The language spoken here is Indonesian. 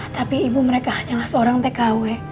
tapi ibu mereka hanyalah seorang tkw